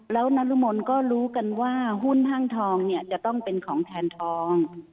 แล้วนรมนก็รู้กันว่าหุ้นห้างทองเนี่ยจะต้องเป็นของแทนทอง